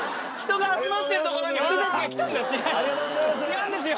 違うんですよ。